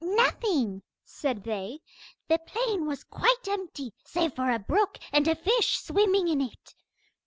'Nothing,' said they; 'the plain was quite empty, save for a brook and a fish swimming in it.